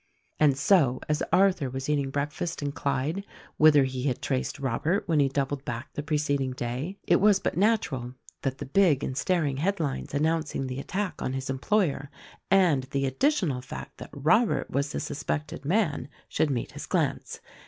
And so, as Arthur was eating breakfast in Clyde, whither he had traced Robert when he doubled back the preceding day, it was but natural that the big and staring headlines announcing the attack on his employer and the additional fact that Robert was the suspected man should meet his glance.